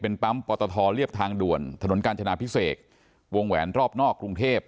ปั๊มปอตทเรียบทางด่วนถนนกาญจนาพิเศษวงแหวนรอบนอกกรุงเทพ